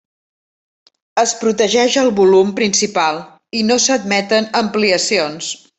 Es protegeix el volum principal, i no s'admeten ampliacions.